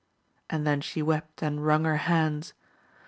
and then she wept and wrung her hands.